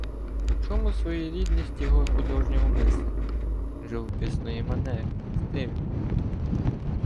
У чому своєрідність його художнього мислення, живописної манери, стилю?